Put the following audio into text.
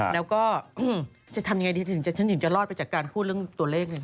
แล้วก็จะทำยังไงดีฉันถึงจะรอดไปจากการพูดเรื่องตัวเลข